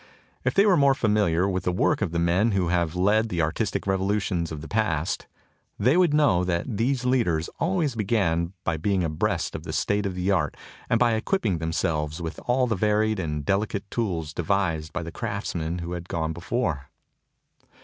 If they were more familiar with the work of the men who have led the artistic revolutions of the past, they would know that these leaders always began by being abreast of the state of the art and by equipping thrm~rl\vs with all the varied THE TOCSIN OF REVOLT and delicate tools devised by the craftsmen who had gone before.